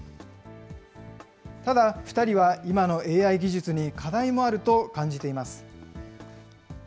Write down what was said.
ただ、２人は今のＡＩ技術に課題もあると感じています。